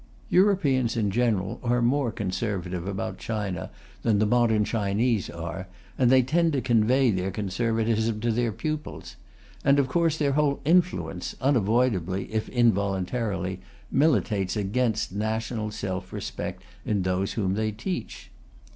Europeans in general are more conservative about China than the modern Chinese are, and they tend to convey their conservatism to their pupils. And of course their whole influence, unavoidably if involuntarily, militates against national self respect in those whom they teach.